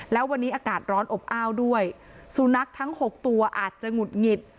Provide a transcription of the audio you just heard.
แล้ววันนี้อากาศร้อนอบอ้าวด้วยสุนัขทั้ง๖ตัวอาจจะหงุดหงิด